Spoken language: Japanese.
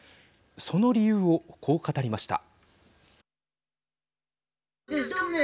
その理由をこう語りました。